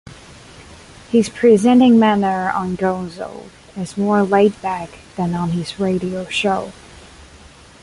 His presenting manner on "Gonzo" is more laid back than on his radio show.